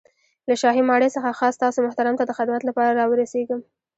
له شاهي ماڼۍ څخه خاص تاسو محترم ته د خدمت له پاره را ورسېږم.